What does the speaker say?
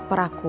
painful ya lu